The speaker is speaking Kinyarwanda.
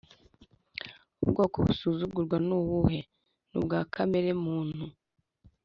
Ubwoko busuzugurwa ni ubuhe? Ni ubwa kamere muntu